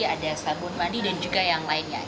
ada sabun mandi dan juga yang lainnya